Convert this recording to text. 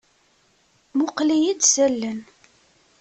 Mmuqqel-iyi-d s allen.